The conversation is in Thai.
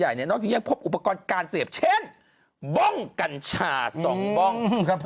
ยังพบอุปกรณ์การเสพเช่นบองกัญชา๒บอง